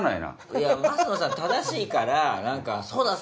いや升野さん正しいから何か「そうだ！